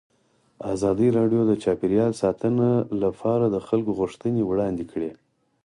ازادي راډیو د چاپیریال ساتنه لپاره د خلکو غوښتنې وړاندې کړي.